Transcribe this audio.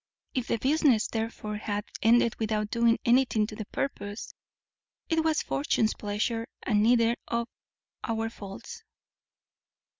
If the business, therefore, hath ended without doing anything to the purpose, it was Fortune's pleasure, and neither of our faults."